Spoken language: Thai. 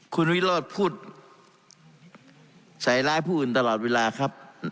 คุณวิโรธพูดใส่ร้ายผู้อื่นตลอดเวลาครับ